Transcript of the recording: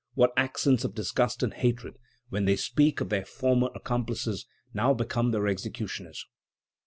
What accents of disgust and hatred when they speak of their former accomplices, now become their executioners!